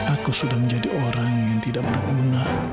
aku sudah menjadi orang yang tidak berguna